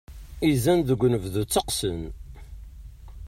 Izan deg unebdu teqqsen.